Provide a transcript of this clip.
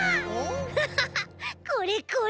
フハハこれこれ。